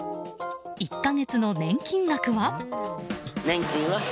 １か月の年金額は？